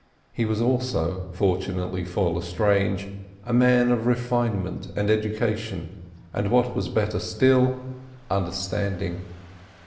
He was also, fortunately for Lestrange, a man of refinement and education, and what was better still, understanding.